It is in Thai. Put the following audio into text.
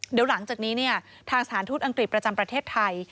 เดี๋ยวหลังจากนี้ทางสถานทูตอังกฤษประจำประเทศไทย